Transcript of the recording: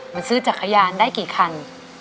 มันซื้อจักรยานได้กี่คัน